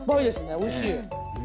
おいしい。